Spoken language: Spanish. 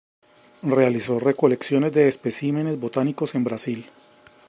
Realizó recolecciones de especímenes botánicos en Brasil.